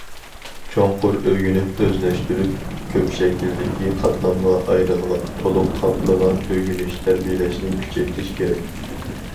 چوڭقۇر ئۆگىنىپ، ئۆزلەشتۈرۈپ، كۆپ شەكىلدىكى، قاتلامغا ئايرىلغان، تولۇق قاپلىغان ئۆگىنىش، تەربىيەلەشنى كۈچەيتىش كېرەك.